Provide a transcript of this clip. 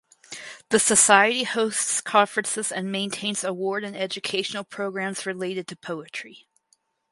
The society hosts conferences and maintains award and educational programs related to poetry.